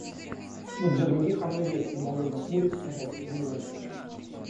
Но для других оно есть, — недовольно хмурясь, сказал Сергей Иванович.